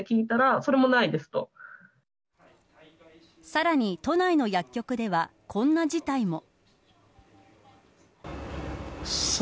さらに都内の薬局ではこんな事態も。